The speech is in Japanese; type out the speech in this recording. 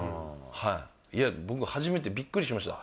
いや、僕初めて、びっくりしました。